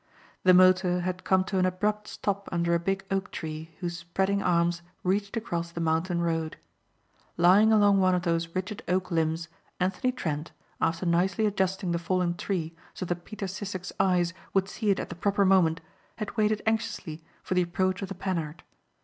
The motor had come to an abrupt stop under a big oak tree whose spreading arms reached across the mountain road. Lying along one of those rigid oak limbs Anthony Trent, after nicely adjusting the fallen tree so that Peter Sissek's eyes would see it at the proper moment, had waited anxiously for the approach of the Panhard.